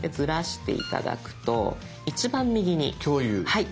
はい。